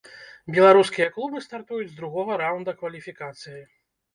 Беларускія клубы стартуюць з другога раўнда кваліфікацыі.